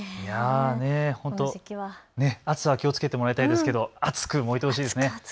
暑さは気をつけてもらいたいですけど熱く燃えてほしいですね。